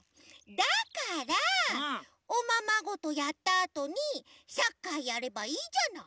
だからおままごとやったあとにサッカーやればいいじゃない。